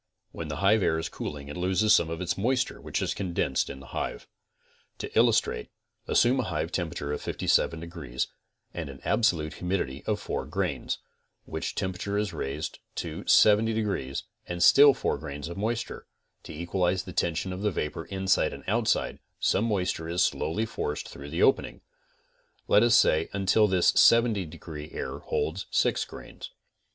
When the hive air is cooling it loses some of its moisture which is condensed in the hive. To illustrate; assume a hive tem perature of 57 degrees and an absolute humidity of four grains, which temperature is raised to 70 degrees, and still 4 grains of moisture, to equalize the tention of the vapor, inside and outside, some moisture is slowly forced through the opening; let us say until this 70 degree air holds 6 grains.